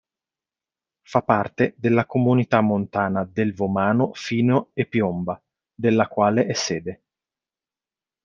Fa parte della Comunità montana "del Vomano, Fino e Piomba", della quale è sede.